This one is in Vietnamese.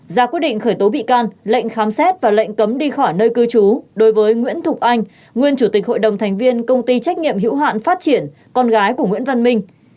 ra quyết định khởi tố bị can lệnh khám xét và lệnh cấm đi khỏi nơi cư trú đối với nguyễn thục anh nguyên chủ tịch hội đồng thành viên công ty trách nhiệm hữu hạn phát triển con gái của nguyễn văn minh